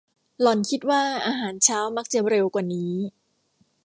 หล่อนคิดว่าอาหารเช้ามักจะเร็วกว่านี้